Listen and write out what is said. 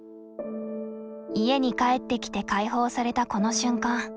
家に帰ってきて解放されたこの瞬間。